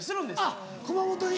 あっ熊元に。